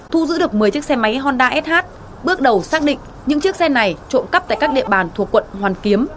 thu giữ được một mươi chiếc xe máy honda sh bước đầu xác định những chiếc xe này trộm cắp tại các địa bàn thuộc quận hoàn kiếm